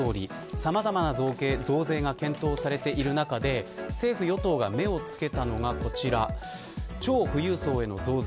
さまざまな増税が検討されている中で政府、与党が目をつけたのがこちら、超富裕層への増税。